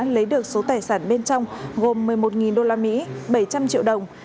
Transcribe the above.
lấy được số tài sản bên trong gồm một mươi một usd bảy trăm linh triệu đồng